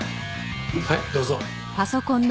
はいどうぞ。